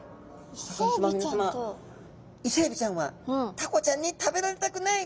イセエビちゃんはタコちゃんに食べられたくない。